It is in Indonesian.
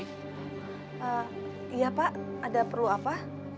iya pak ada perlu apa